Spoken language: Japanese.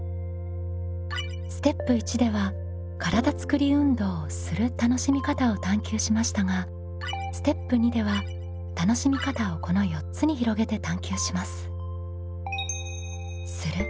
ステップ１では体つくり運動をする楽しみ方を探究しましたがステップ２では楽しみ方をこの４つに広げて探究します。